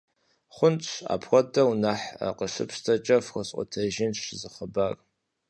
Хъунщ, апхуэдэу нэхъ къыщыпщтэкӀэ, фхуэсӀуэтэжынщ зы хъыбар.